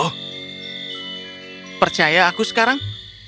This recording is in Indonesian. kau percaya aku sekarang